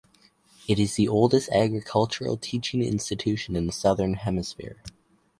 It is the oldest agricultural teaching institution in the Southern Hemisphere.